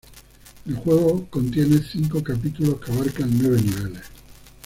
El juego contiene cinco capítulos que abarcan nueve niveles.